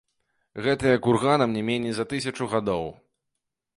Гэтыя курганам не меней за тысячу гадоў.